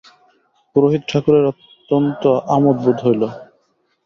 পুরোহিত ঠাকুরের অত্যন্ত আমোদ বোধ হইল।